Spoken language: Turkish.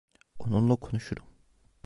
Onunla konuşurum.